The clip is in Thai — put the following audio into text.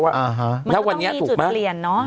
มันก็ต้องมีจุดเปลี่ยนเนอะ